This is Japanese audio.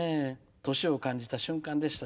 年を感じた瞬間でした。